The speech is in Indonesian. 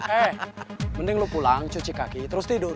eh mending lu pulang cuci kaki terus tidur